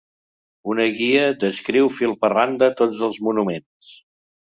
Una guia descriu fil per randa tots els monuments.